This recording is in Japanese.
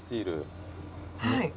はい。